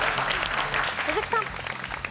鈴木さん。